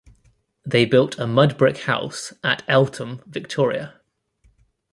They built a mud brick house at Eltham, Victoria.